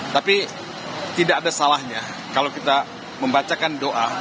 tapi tidak ada salahnya kalau kita membacakan doa